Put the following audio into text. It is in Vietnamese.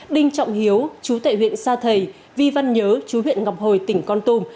đinh trọng hiếu chú tệ huyện sa thầy vi văn nhớ chú huyện ngọc hồi tỉnh con tum